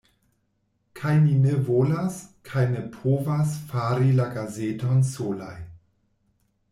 Kaj ni ne volas, kaj ne povas fari la gazeton solaj.